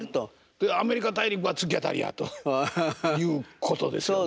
でアメリカ大陸が突き当たりやということですね。